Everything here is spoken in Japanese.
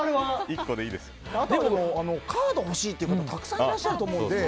カードが欲しいという方もたくさんいらっしゃると思うので。